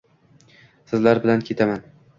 Sizlar bilan ketaman